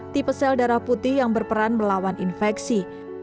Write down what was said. tipe sel darah putih yang berperan melawan infeksi